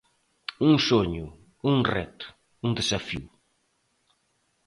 Un soño, un reto, un desafío.